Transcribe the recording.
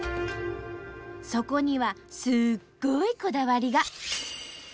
そこにはすっごいこだわりが！